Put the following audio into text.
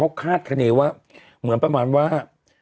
ตอนนี้เขาคาดคันีว่าเหมือนประมาณว่า